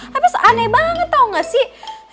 habis aneh banget tau gak sih